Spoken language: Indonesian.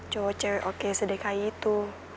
cowok cewek oke sedih kayak gitu